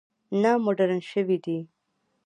نه مډرن شوي دي.